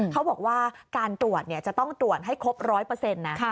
เขาบอกว่าการตรวจจะต้องตรวจให้ครบ๑๐๐นะ